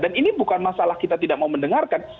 dan ini bukan masalah kita tidak mau mendengarkan